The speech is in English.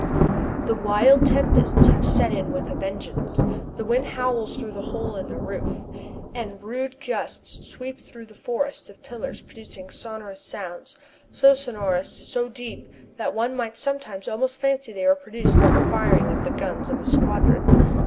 The winter tempests have set in with a vengeance. The wind howls though the hole in the roof, and rude gusts sweep through the forest of pillars producing sonorous sounds, so sonorous, so deep, that one might sometimes almost fancy they were produced by the firing of the guns of a squadron.